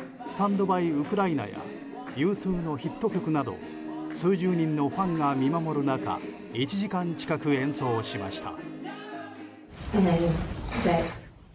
「スタンド・バイ・ウクライナ」やＵ２のヒット曲など数十人のファンが見守る中１時間近く演奏しました。